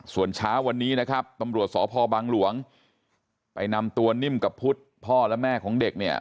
ส่วนเช้าวันนี้นะครับตำรวจสพบังหลวงไปนำตัวนิ่มกับพุทธพ่อและแม่ของเด็กเนี่ย